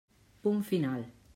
Punt final.